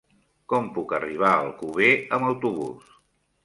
Com puc arribar a Alcover amb autobús?